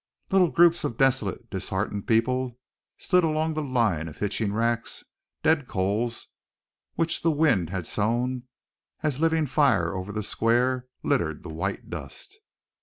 Little groups of desolate, disheartened people stood along the line of hitching racks; dead coals, which the wind had sown as living fire over the square, littered the white dust.